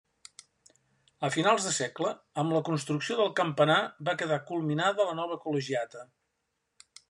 A finals de segle, amb la construcció del campanar va quedar culminada la nova col·legiata.